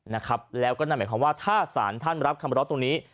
นะครับแล้วก็นำแบบความว่าท่าสารท่านรับคำบรรเติมตรงนี้